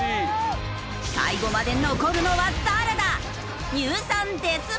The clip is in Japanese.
最後まで残るのは誰だ？